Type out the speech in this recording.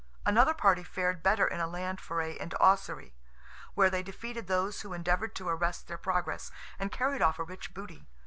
Another party fared better in a land foray into Ossory, where they defeated those who endeavoured to arrest their progress, and carried off a rich booty.